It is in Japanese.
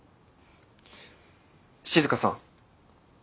静さん。